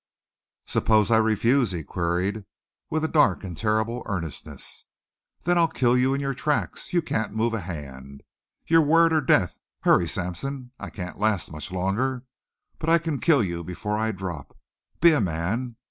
"Suppose I refuse?" he queried, with a dark and terrible earnestness. "Then I'll kill you in your tracks! You can't move a hand! Your word or death! Hurry, Sampson! I can't last much longer. But I can kill you before I drop. Be a man!